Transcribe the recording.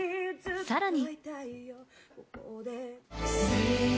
さらに。